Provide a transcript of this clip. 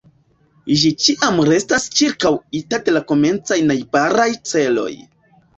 Ĝi ĉiam restas ĉirkaŭita de la komencaj najbaraj ĉeloj.